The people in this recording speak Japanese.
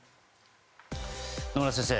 野村先生